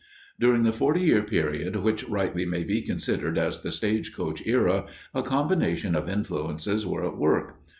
During the forty year period which rightly may be considered as the stagecoach era, a combination of influences were at work.